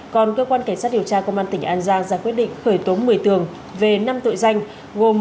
còn cơ quan cảnh sát điều tra công an tỉnh an giang ra quyết định khởi tố một mươi tường về năm tội danh gồm